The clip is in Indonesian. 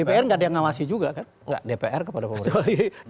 dpr enggak ada yang ngawasi juga kan